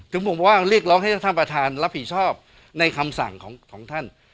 บอกว่าเรียกร้องให้ท่านประธานรับผิดชอบในคำสั่งของท่าน